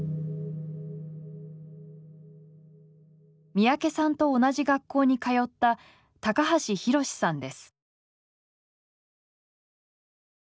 三宅さんと同じ学校に通った橋溥さんです。